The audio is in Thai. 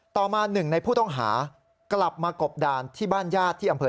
ต่อมาหนึ่งในผู้ต้องหากลับมากบดานที่บ้านญาติที่อำเภอ